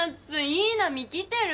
いい波来てる！